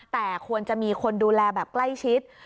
แต่ควรจะมีคนดูแลแบบใกล้ชิด